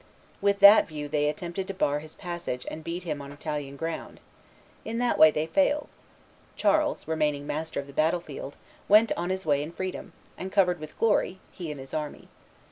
With that view they attempted to bar his passage and beat him on Italian ground: in that they failed; Charles, remaining master of the battle field, went on his way in freedom, and covered with glory, he and his army.